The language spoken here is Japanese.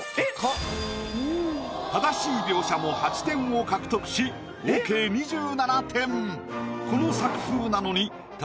正しい描写も８点を獲得し合計２７点。